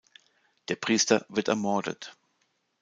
Der Priester wird ermordet.